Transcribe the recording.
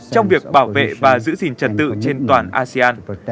trong việc bảo vệ và giữ gìn trật tự trên toàn asean